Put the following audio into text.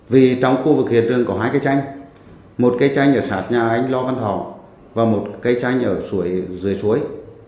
vì trong khu vực hiện trường có hai cái tranh một cái tranh ở sạt nhà anh lô văn thỏ và một cái tranh ở dưới suối